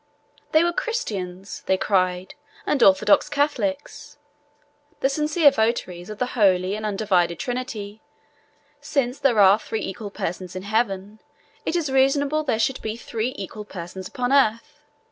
They were Christians, (they cried,) and orthodox Catholics; the sincere votaries of the holy and undivided Trinity. Since there are three equal persons in heaven, it is reasonable there should be three equal persons upon earth.